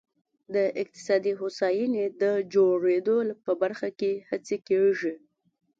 د اقتصادي هوساینې د جوړېدو په برخه کې هڅې کېږي.